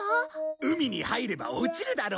海に入れば落ちるだろ。